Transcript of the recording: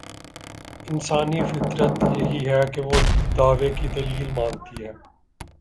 انسانی فطرت یہی ہے کہ وہ دعوے کی دلیل مانگتی ہے۔